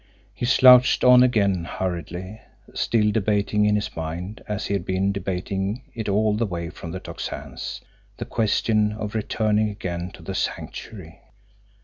He slouched on again hurriedly, still debating in his mind, as he had been debating it all the way from the Tocsin's, the question of returning again to the Sanctuary.